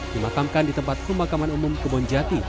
dimakamkan di tempat pemakaman umum kebonjati